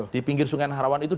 di pinggir sungai nahrawan itu